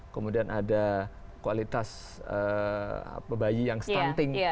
kemudian ada kualitas bayi yang stunting